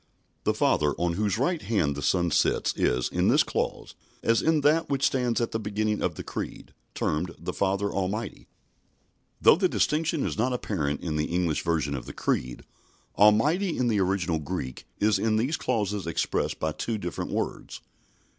The Father on whose right hand the Son sits is, in this clause, as in that which stands at the beginning of the Creed, termed the "Father Almighty." Though the distinction is not apparent in the English version of the Creed, "Almighty" in the original Greek is in these clauses expressed by two different words.